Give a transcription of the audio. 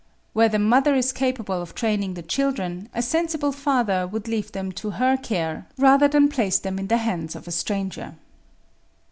Where the mother is capable of training the children, a sensible father would leave them to her care rather than place them in the hands of a stranger.